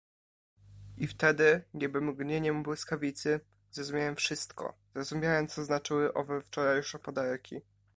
"I wtedy, niby mgnieniem błyskawicy, zrozumiałem wszystko, zrozumiałem, co znaczyły owe wczorajsze podarki."